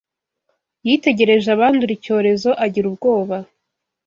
Yitegereje abandura icyorezo agira ubwoba